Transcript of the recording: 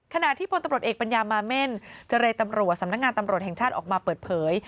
ขณะที่พลตำรวจเอกปัญญามาเม่นเจรตำรวจสำนักงานตำรวจแห่งชาติออกมาเปิดเผย